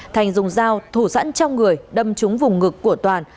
thành dùng dao thủ sẵn trong người đâm trúng vùng ngực của toàn